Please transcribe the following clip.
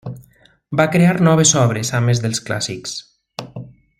Va crear noves obres, a més dels clàssics.